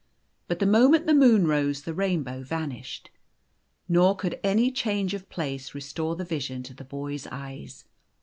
But the moment the moon rose the rainbow vanished. Nor could any change of place restore the vision to the boy's eyes.